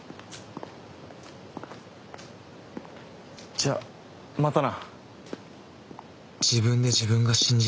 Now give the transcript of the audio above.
じゃあまたな